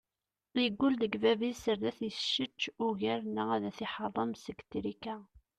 Yeggul deg bab-is ar ad t-issečč ugar neɣ ad t-iḥeṛṛem seg trika.